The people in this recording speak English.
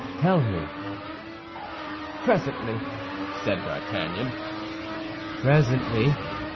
"Tell me." "Presently," said D'Artagnan. "Presently!